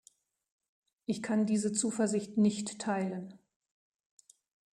Ich kann diese Zuversicht nicht teilen.